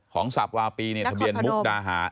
ของสัปปีวาปีทะเบียนมุมตาหา